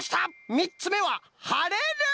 みっつめは「はれる」！